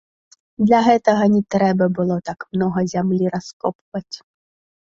Для гэтага не трэба было так многа зямлі раскопваць.